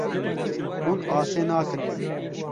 Hûn asê nakin.